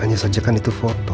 hanya saja kan itu foto